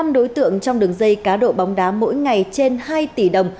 một mươi năm đối tượng trong đường dây cá độ bóng đá mỗi ngày trên hai tỷ đồng